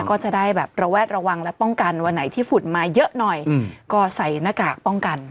ก็จะได้แบบระแวดระวังและป้องกันวันไหนที่ฝุ่นมาเยอะหน่อยก็ใส่หน้ากากป้องกัน